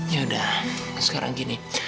ya udah sekarang gini